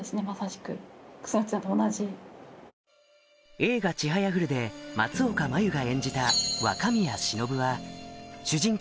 映画『ちはやふる』で松岡茉優が演じた若宮詩暢は主人公